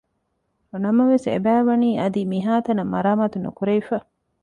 ނަމަވެސް އެބައިވަނީ އަދި މިހާތަނަށް މަރާމާތު ނުކުރެވިފަ